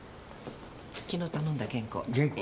昨日頼んだ原稿。